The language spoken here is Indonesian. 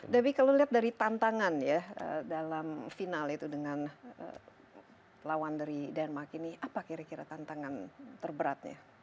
debbie kalau lihat dari tantangan ya dalam final itu dengan lawan dari denmark ini apa kira kira tantangan terberatnya